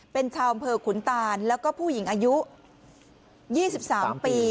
เป็นชาวอำเภอขุนตานแล้วก็ผู้หญิงอายุ๒๓ปี